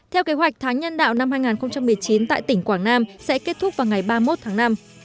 theo kế hoạch tháng nhân đạo năm hai nghìn một mươi chín tại tỉnh quảng nam sẽ kết thúc vào ngày ba mươi một tháng năm